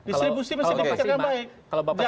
distribusi mesti diberikan dengan baik